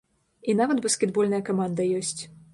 І нават баскетбольная каманда ёсць.